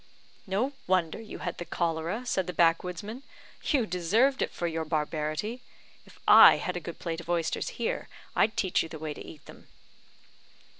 "No wonder you had the cholera," said the backwoodsman, "you deserved it for your barbarity. If I had a good plate of oysters here, I'd teach you the way to eat them."